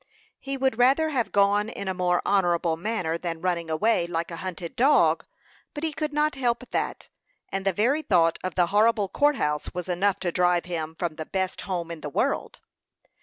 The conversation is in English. He would rather have gone in a more honorable manner than running away like a hunted dog; but he could not help that, and the very thought of the horrible court house was enough to drive him from the best home in the world.